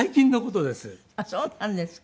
あっそうなんですか。